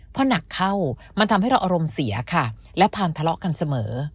พอหนักเข้ามันทำให้เราอารมณ์เสียค่ะและผ่านทะเลาะกันเสมอ